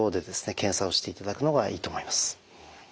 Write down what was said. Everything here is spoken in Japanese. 検査をしていただくのがいいと思います。